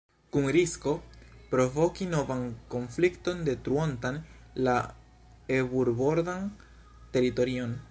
Kun risko provoki novan konflikton detruontan la eburbordan teritorion.